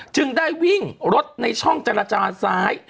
จึงได้วิ่งรถในช่องเจรจาซ้าย